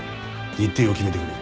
日程を決めてくれ。